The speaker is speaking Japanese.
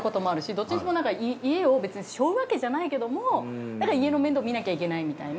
どっちにしてもなんか家を別に背負うわけじゃないけども家の面倒見なきゃいけないみたいな。